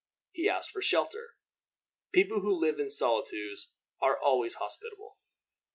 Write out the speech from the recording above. He asked for shelter. People who live in solitudes are always hospitable.